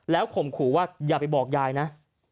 ข่มขู่ว่าอย่าไปบอกยายนะ